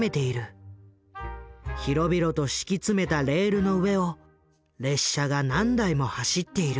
広々と敷き詰めたレールの上を列車が何台も走っている。